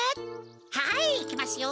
はいいきますよ！